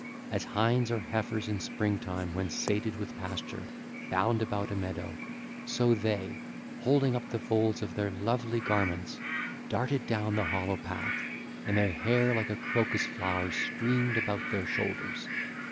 As hinds or heifers in spring time, when sated with pasture, bound about a meadow, so they, holding up the folds of their lovely garments, darted down the hollow path, and their hair like a crocus flower streamed about their shoulders.